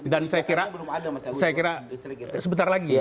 dan saya kira sebentar lagi